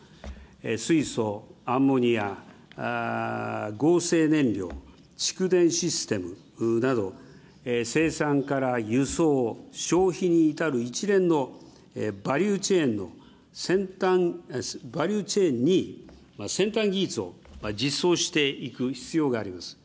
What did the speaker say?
水素・アンモニア、合成燃料、蓄電システムなど、生産から輸送、消費に至る一連のバリューチェーンに先端技術を実装していく必要があります。